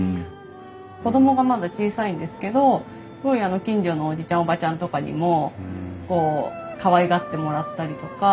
子供がまだ小さいんですけどすごい近所のおじちゃんおばちゃんとかにもこうかわいがってもらったりとか。